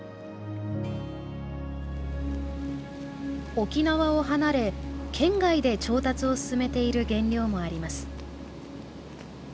沖縄を離れ県外で調達を進めている原料もあります